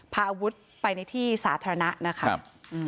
พาอวุธไปในที่ศาสนานะคะใช่ครับ